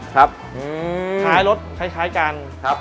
คล้ายรถคล้ายกัน